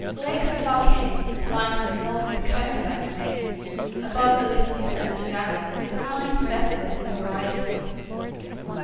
] Lake Starr King, lying to the north of the cone of that name, above the Little Yosemite Valley, is a fine specimen of this variety.